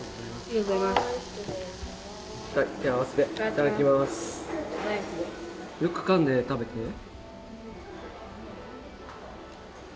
よくかんで食べてね。